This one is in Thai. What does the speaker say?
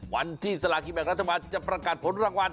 วันที่สลากินแบ่งรัฐบาลจะประกาศผลรางวัล